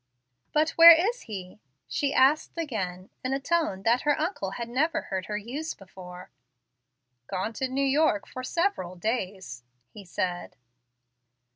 "But where is he?" she asked again, in a tone that her uncle had never heard her use before. "Gone to New York for several days," he said.